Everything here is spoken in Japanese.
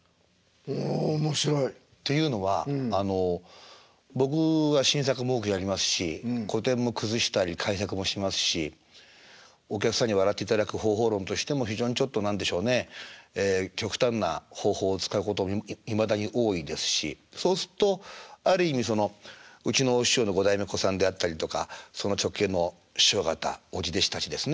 お面白い。っていうのはあの僕は新作も多くやりますし古典も崩したり改作もしますしお客さんに笑っていただく方法論としても非常にちょっと何でしょうねえ極端な方法を使うこともいまだに多いですしそうすっとある意味うちのお師匠の五代目小さんであったりとかその直系の師匠方おじ弟子たちですね